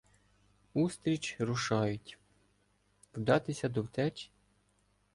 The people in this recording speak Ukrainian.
Устріч рушають. Вдатися до втечі?